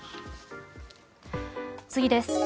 次です。